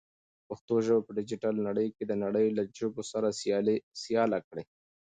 پښتو ژبه په ډیجیټل نړۍ کې د نړۍ له ژبو سره سیاله کړئ.